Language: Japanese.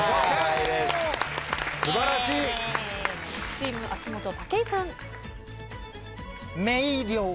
チーム秋元武井さん。